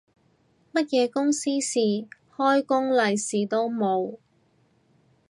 乜嘢公司事，開工利是都冇